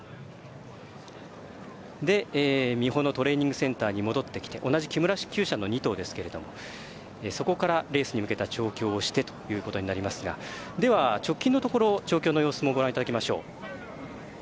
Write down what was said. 美浦のトレーニング・センターに戻ってきて同じ木村きゅう舎の２頭ですけどもそこからレースに向けた調教をしてということになりますが直近の調教の様子もご覧いただきましょう。